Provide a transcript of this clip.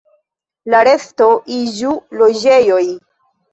La resto iĝu loĝejoj.